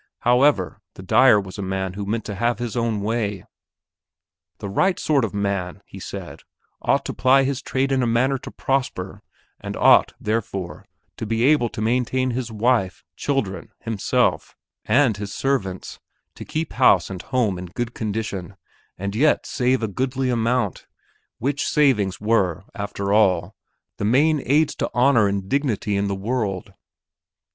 However, the dyer was a man who meant to have his own way. The right sort of man, he said, ought to ply his trade in a manner to prosper and ought, therefore, to be able to maintain his wife, children, himself, and his servants, to keep house and home in good condition, and yet save a goodly amount which savings were, after all, the main aids to honor and dignity in the world.